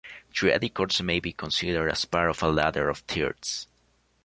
Triadic chords may be considered as part of a ladder of thirds.